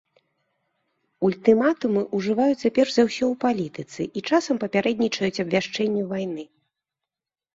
Ультыматумы ўжываюцца перш за ўсё ў палітыцы і часам папярэднічаюць абвяшчэнню вайны.